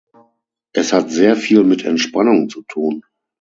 Es hat sehr viel mit Entspannung zu tun.